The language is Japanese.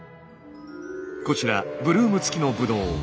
こちらブルーム付きのブドウ。